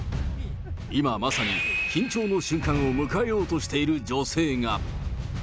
今まさに、緊張の瞬間を迎えようとしている女性が。